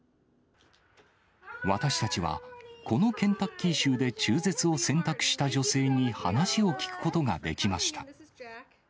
私たちは、このケンタッキー州で中絶を選択した女性に話を聞くことができました。